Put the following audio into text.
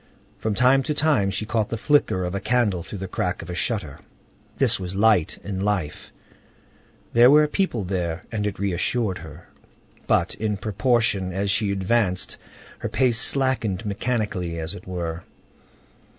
From time to time she caught the flicker of a candle through the crack of a shutter—this was light and life; there were people there, and it reassured her. But in proportion as she advanced, her pace slackened mechanically, as it were.